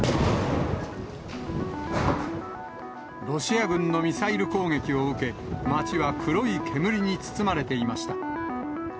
ロシア軍のミサイル攻撃を受け、街は黒い煙に包まれていました。